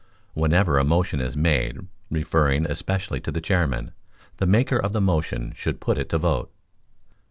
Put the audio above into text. Whenever a motion is made referring especially to the chairman, the maker of the motion should put it to vote.